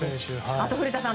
あと古田さん